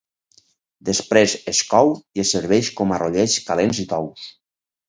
Després es cou i es serveix com a rotllets calents i tous.